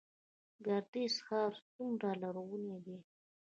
ګردیز ښار څومره لرغونی دی؟